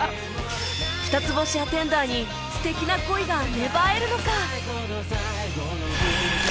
２つ星アテンダーに素敵な恋が芽生えるのか？